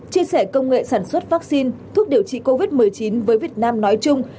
chia sẻ công nghệ sản xuất vaccine thuốc điều trị covid một mươi chín với việt nam nói chung